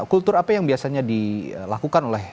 kultur apa yang biasanya dilakukan oleh